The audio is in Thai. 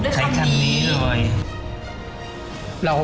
เลือกทำดีเลย